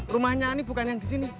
rumahnya ini bukan yang di sini